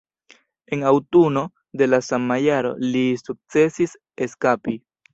En aŭtuno de la sama jaro, li sukcesis eskapi.